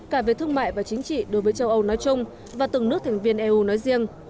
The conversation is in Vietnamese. cả về thương mại và chính trị đối với châu âu nói chung và từng nước thành viên eu nói riêng